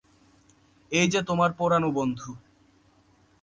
এই যে তোমার পুরানো বন্ধু।